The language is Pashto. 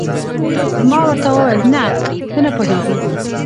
ما ورته وویل: نه، ته نه پوهېږې.